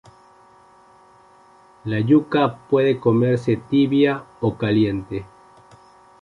La yuca puede comerse tibia o caliente.